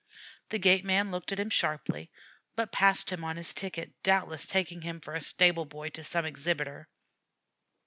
The gate man looked at him sharply, but passed him on his ticket, doubtless taking him for stable boy to some exhibitor.